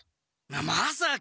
まさか！